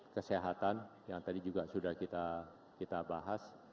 kesehatan yang tadi juga sudah kita bahas